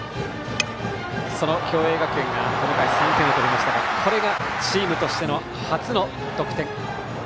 共栄学園が３点を取りましたがこれがチームとして初の得点。